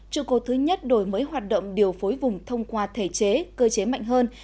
trụ cột thứ nhất đổi mới hoạt động điều phối vùng thông qua thể chế cơ chế mạnh hơn